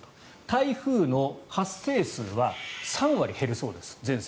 台風の発生数は全世界で３割減るそうです。